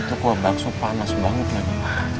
itu kerobak bakso panas banget ma